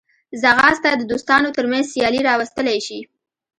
ځغاسته د دوستانو ترمنځ سیالي راوستلی شي